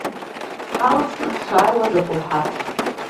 Ҳалҵны ҳшааиуа апылҳаҭ.